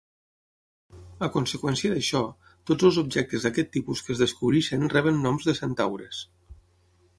A conseqüència d'això, tots els objectes d'aquest tipus que es descobreixen reben noms de centaures.